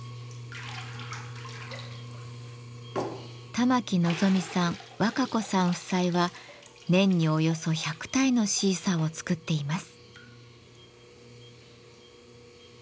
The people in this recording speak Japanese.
玉城望さん若子さん夫妻は年におよそ１００体のシーサーを作っています。